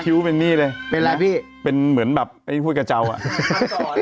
คิ้วอะไรนี่ละเป็นแหละเป็นแบบเป็นกับกระเจ้าอะ